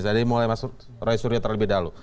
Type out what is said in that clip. jadi mulai mas roy surya terlebih dahulu